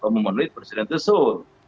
memenuhi presiden tesun